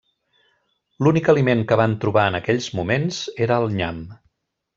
L'únic aliment que van trobar en aquells moments era el nyam.